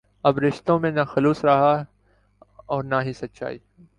اب رشتوں میں نہ خلوص رہا ہے اور نہ ہی سچائی